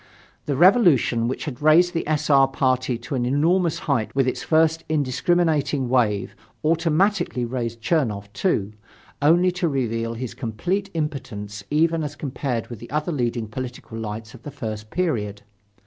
The Revolution which had raised the S. R. party to an enormous height with its first indiscriminating wave, automatically raised Chernoff, too, only to reveal his complete impotence even as compared with the other leading political lights of the first period.